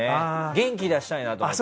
元気を出したいなと思って。